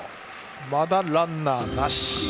まだランナーなし。